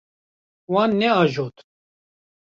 Wan neajot.